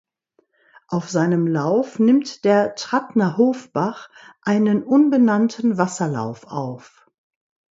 Auf seinem Lauf nimmt der Trattnerhofbach einen unbenannten Wasserlauf auf.